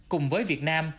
cùng với việt nam